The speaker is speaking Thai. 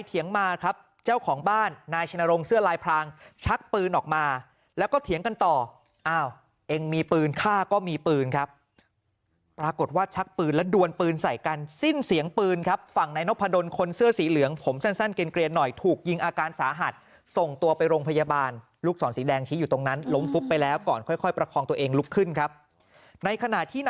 เถียงมาครับเจ้าของบ้านนายชนรงเสื้อลายพรางชักปืนออกมาแล้วก็เถียงกันต่ออ้าวเองมีปืนฆ่าก็มีปืนครับปรากฏว่าชักปืนและดวนปืนใส่กันสิ้นเสียงปืนครับฝั่งนายนพดลคนเสื้อสีเหลืองผมสั้นเกลียนหน่อยถูกยิงอาการสาหัสส่งตัวไปโรงพยาบาลลูกศรสีแดงชี้อยู่ตรงนั้นล้มฟุบไปแล้วก่อนค่อยค่อยประคองตัวเองลุกขึ้นครับในขณะที่น